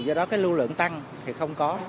do đó cái lưu lượng tăng thì không có